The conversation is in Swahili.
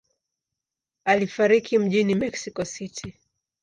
Alifariki mjini Mexico City.